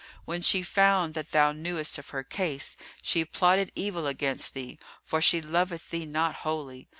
When she found that thou knewest of her case, she plotted evil against thee, for she loveth thee not wholly.